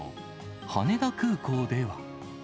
羽田空港では。